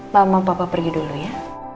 mama papa pergi dulu ya